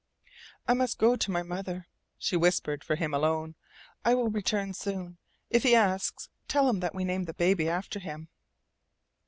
"I must go to my mother," she whispered for him alone. "I will return soon. If he asks tell him that we named the baby after him."